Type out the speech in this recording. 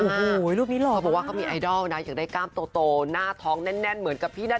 เขาบอกว่ามีไอดอลนะ